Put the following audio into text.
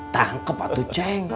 tangkep atu cek